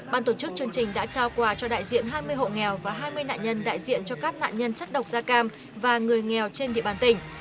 ban tổ chức chương trình đã trao quà cho đại diện hai mươi hộ nghèo và hai mươi nạn nhân đại diện cho các nạn nhân chất độc da cam và người nghèo trên địa bàn tỉnh